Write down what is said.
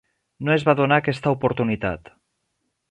No es va donar aquesta oportunitat.